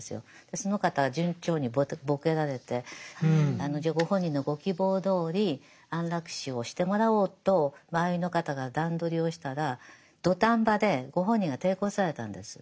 その方順調にボケられてじゃあご本人のご希望どおり安楽死をしてもらおうと周りの方が段取りをしたら土壇場でご本人が抵抗されたんです。